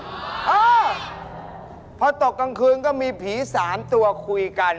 เออพอตกกลางคืนก็มีผี๓ตัวคุยกัน